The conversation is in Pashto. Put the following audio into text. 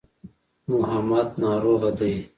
محمد ناروغه دی.